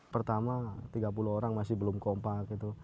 pertama tiga puluh orang masih belum kompak gitu